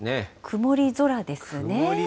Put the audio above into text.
曇り空ですね。